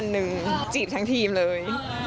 หนึ่งจีบทั้งทีมเลย